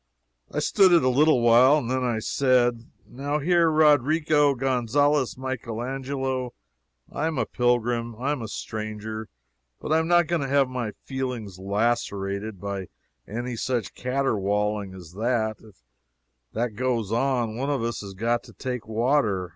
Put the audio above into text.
I stood it a little while. Then I said: "Now, here, Roderigo Gonzales Michael Angelo, I'm a pilgrim, and I'm a stranger, but I am not going to have my feelings lacerated by any such caterwauling as that. If that goes on, one of us has got to take water.